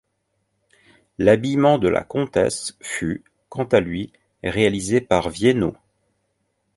L’habillement de la comtesse fut, quant à lui, réalisé par Viénot.